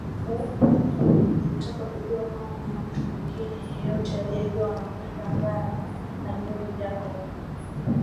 Halafu nilitaka kujua kama kuna mtu mwingine yeyote aliyejua nakwenda Ngara alihoji Jacob